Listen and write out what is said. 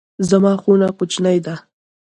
زما خونه کوچنۍ ده